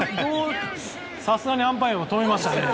さすがにアンパイアも止めましたね。